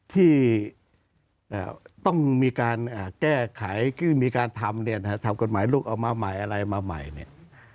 ที่ต้องมีการแก้ไขคือมีการทำเนี่ยนะฮะทำกฎหมายลูกเอามาใหม่อะไรมาใหม่เนี่ย